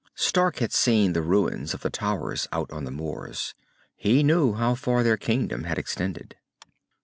Stark had seen the ruins of the towers out on the moors. He knew how far their kingdom had extended.